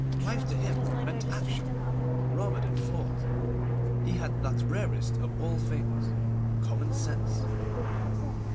Life to him meant action, rather than thought. He had that rarest of all things, common sense.